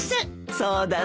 そうだね。